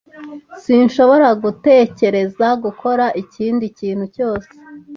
Sinshobora gutekereza gukora ikindi kintu cyose.